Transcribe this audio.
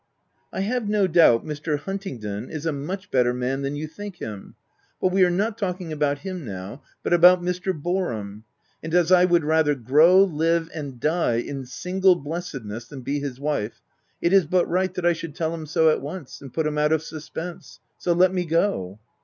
" I have no doubt Mr. Huntingdon is a much better man than you think him, — but we are not talking about him, now, but about Mr. Boarham ; and as I would rather grow, live and die in single blessedness than be his wife, it is but right that I should tell him so at once, and put him out of suspense — so let me go."